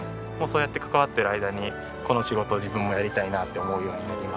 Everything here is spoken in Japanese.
そうやって関わっている間にこの仕事を自分もやりたいなって思うようになりまして。